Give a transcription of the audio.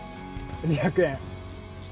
２００円！